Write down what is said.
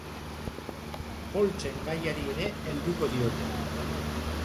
Poltsen gaiari ere helduko diote.